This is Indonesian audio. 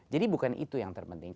jadi bukan itu yang terpenting